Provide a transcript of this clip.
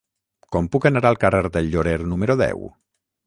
Com puc anar al carrer del Llorer número deu?